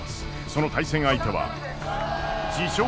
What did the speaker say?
その対戦相手は自称